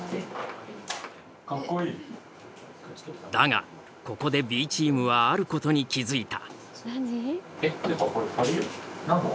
だがここでＢチームはあることに気付いた。